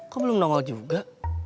kok belum nongol juga